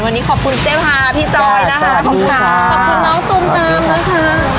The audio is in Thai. วันนี้ขอบคุณเจ๊พาพี่จอยนะคะขอบคุณน้องตูมตามนะคะ